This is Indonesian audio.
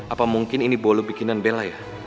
apa mungkin ini bolu bikinan bela ya